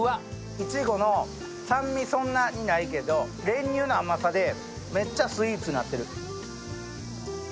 いちごの、酸味そんなにないけど練乳の甘さでめっちゃスイーツになってる。